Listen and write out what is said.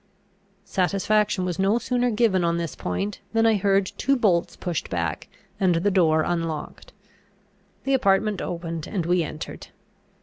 Satisfaction was no sooner given on this point, than I heard two bolts pushed back, and the door unlocked. The apartment opened, and we entered.